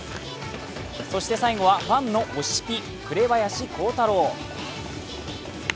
そして最後はファンの推しピ・紅林弘太郎。